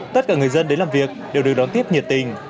tất cả người dân đến làm việc đều được đón tiếp nhiệt tình